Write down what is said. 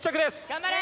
頑張れ！